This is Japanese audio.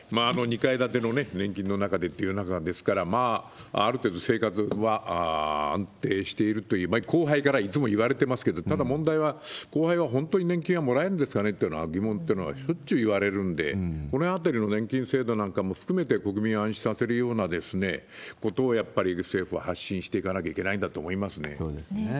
２階建ての年金の中でっていう中ですから、ある程度生活は安定しているという、後輩からいつも言われていますけれども、ただ、問題は後輩は本当に年金がもらえるんですかねという疑問というのはしょっちゅういわれるんで、このあたりの年金制度も含めて、国民を安心させるようなことをやっぱり政府は発信していかなきゃそうですね。